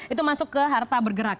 itu masuk ke harta bergerak